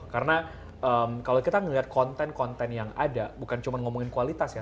karena kalau kita ngelihat konten konten yang ada bukan cuma ngomongin kualitas ya